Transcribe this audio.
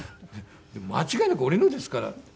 間違いなく俺のですから。